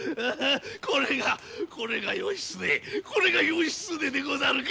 これがこれが義経これが義経でござるか！？